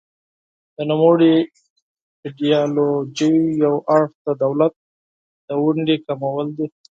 د نوموړې ایډیالوژۍ یو اړخ د دولت د ونډې کمول دي.